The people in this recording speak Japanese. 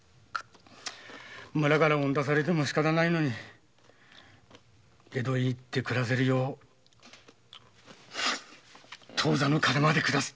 村からおん出されても仕方ないのに江戸へ出て暮らせるよう当座の金まで下さった。